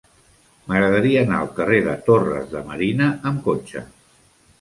M'agradaria anar al carrer de Torres de Marina amb cotxe.